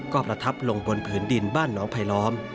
ก็ประทับลงบนผืนดินบ้านน้องไผลล้อม